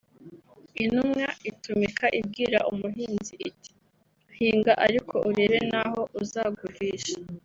Intumwa itumika ibwira umuhinzi iti hinga ariko urebe n’aho uzagurisha